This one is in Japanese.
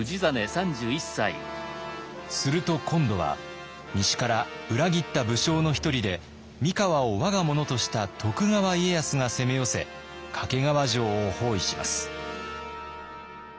すると今度は西から裏切った武将の一人で三河を我が物とした徳川家康が攻め寄せ懸川城を包囲します。